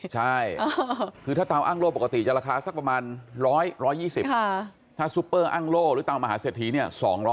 ใช่คือถ้าตามอ้างโล่ปกติจะราคาสักประมาณ๑๒๐ถ้าซุปเปอร์อ้างโล่หรือตามมหาเศรษฐีเนี่ย